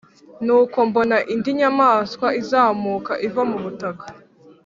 Nuko mbona indi nyamaswa izamuka iva mu butaka.